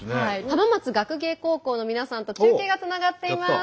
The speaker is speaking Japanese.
浜松学芸高校の皆さんと中継がつながっています。